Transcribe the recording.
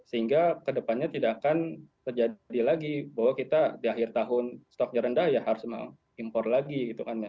sehingga kedepannya tidak akan terjadi lagi bahwa kita di akhir tahun stoknya rendah ya harus mengimpor lagi gitu kan ya